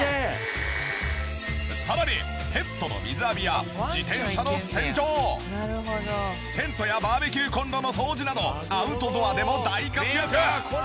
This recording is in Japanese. さらにペットの水浴びや自転車の洗浄テントやバーベキューコンロの掃除などアウトドアでも大活躍。